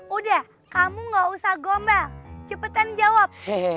udah kamu gak usah gombal cepetan jawab